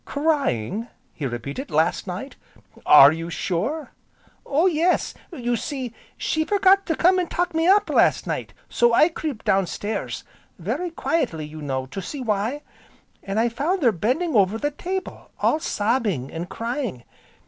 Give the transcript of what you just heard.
"Crying!" he repeated, "last night! Are you sure?" "Oh yes! You see, she forgot to come an' 'tuck me up' last night, so I creeped downstairs, very quietly, you know, to see why. An' I found her bending over the table, all sobbing, an' crying.